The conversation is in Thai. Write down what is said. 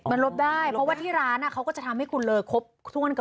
มันลบได้เพราะว่าที่ร้านเขาก็จะทำให้คุณเลยครบถ้วนกับ